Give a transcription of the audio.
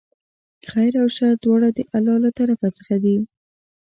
خیر او شر دواړه د الله له طرفه څخه دي.